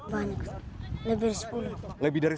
banyak lebih dari sepuluh